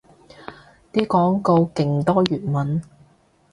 啲廣告勁多粵文